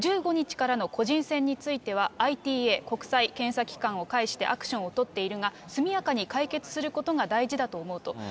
１５日からの個人戦については、ＩＴＡ・国際検査機関を介してアクションを取っているが、速やかに解決することが大事だと思うと。